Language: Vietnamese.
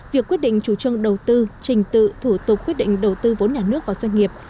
việc quyết định chủ trương đầu tư trình tự thủ tục quyết định đầu tư vốn nhà nước vào doanh nghiệp